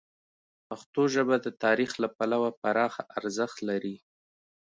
پښتو ژبه د تاریخ له پلوه پراخه ارزښت لري.